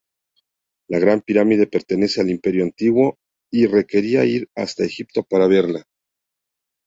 La Gran Pirámide pertenece al Imperio Antiguo y requería ir hasta Egipto para verla.